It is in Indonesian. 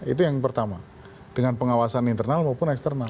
itu yang pertama dengan pengawasan internal maupun eksternal